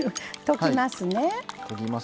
溶きます。